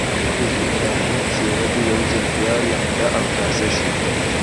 د ژوندانه څېره دې یو ځل بیا لمده او تازه شي.